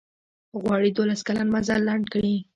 غواړي دولس کلن مزل لنډ کړي.